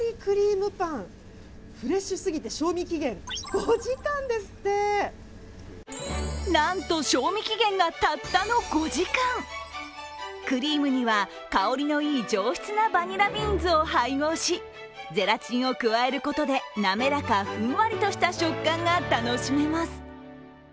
更になんと賞味期限がたったの５時間クリームには香りのいい上質なバニラビーンズを配合しゼラチンを加えることで滑らか、ふんわりとした食感が楽しめます。